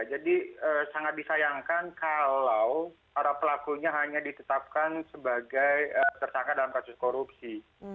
jadi sangat disayangkan kalau para pelakunya hanya ditetapkan sebagai tersangka dalam kasus korupsi